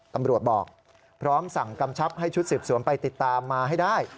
ตำรวจบอกพร้อมสั่งกำชับให้ชุดสืบสวนไปติดตามมาให้ได้